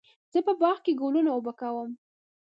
زه په باغ کې ګلونه اوبه کوم.